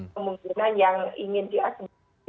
kemungkinan yang ingin diakomodasi